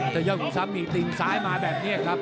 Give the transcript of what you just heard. แต่เย้ากุศัพท์มีตินซ้ายมาแบบนี้ครับ